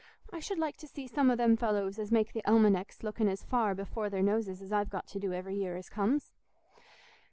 I should like to see some o' them fellows as make the almanecks looking as far before their noses as I've got to do every year as comes."